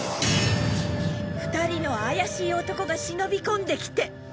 ２人の怪しい男が忍び込んできて。